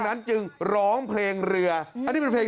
มาอยู่ตามฟอง